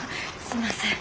すいません。